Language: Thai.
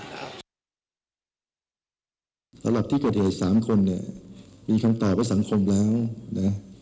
สำหรับที่กระเทศ๓คนมีคำตอบว่า๓คนแล้ว